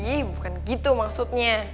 ih bukan gitu maksudnya